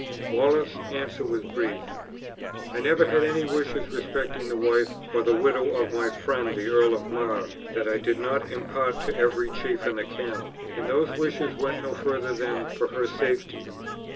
Wallace's answer was brief: "I never had any wishes respecting the wife or the widow of my friend the Earl of Mar that I did not impart to every chief in the camp, and those wishes went no further than for her safety.